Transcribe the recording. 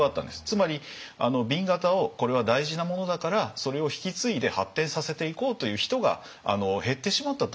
つまり紅型をこれは大事なものだからそれを引き継いで発展させていこうという人が減ってしまったという。